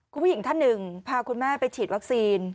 คุณผู้หญิงท่านหนึ่งพาคุณแม่ไปฉีดวัคซีน